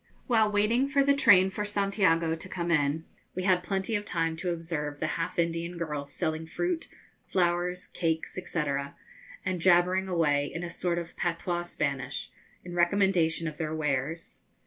While waiting for the train for Santiago to come in, we had plenty of time to observe the half Indian girls selling fruit, flowers, cakes, &c., and jabbering away in a sort of patois Spanish, in recommendation of their wares.